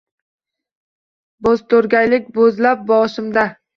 Bo‘zto‘rgaydek bo‘zlab boshimda